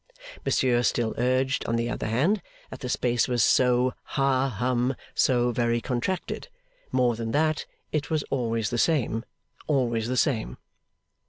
Monsieur still urged, on the other hand, that the space was so ha hum so very contracted. More than that, it was always the same, always the same.